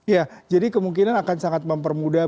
ya jadi kemungkinan akan sangat mempermudah